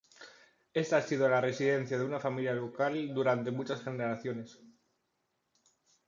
Esta ha sido la residencia de una familia local durante muchas generaciones.